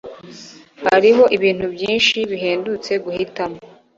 Hariho ibintu byinshi bihendutse guhitamo